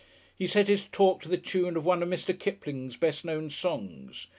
He set his talk to the tune of one of Mr. Kipling's best known songs.